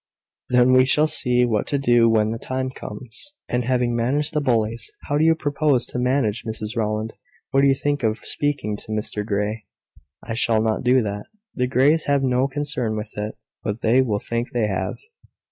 "Then we shall see what to do when the time comes." "And having managed the bullies, how do you propose to manage Mrs Rowland? What do you think of speaking to Mr Grey?" "I shall not do that. The Greys have no concern with it; but they will think they have.